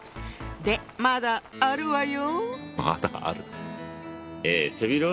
でまだあるわよ。